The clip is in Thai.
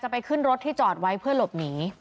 เข้าไปในบ้านส่งเสียงโวยวายจนเด็กร้องไห้จ้าเลยอะ